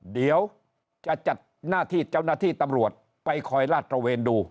เดี๋ยวจะจัดหน้าที่เจ้าหน้าที่ตำรวจไปคอยลาดตระเวนดู